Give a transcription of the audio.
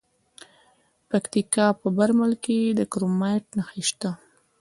د پکتیکا په برمل کې د کرومایټ نښې شته.